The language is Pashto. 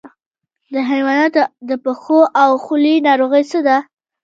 د حیواناتو د پښو او خولې ناروغي څه ده؟